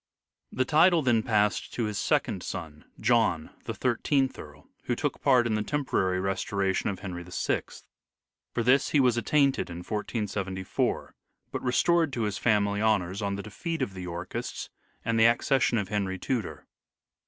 The title then passed to his second son, John, the Thirteenth Earl, who took part in the tem porary restoration of Henry VI. For this he was at tainted in 1474, but restored to his family honours on the defeat of the Yorkists and the accession of Henry Tudor.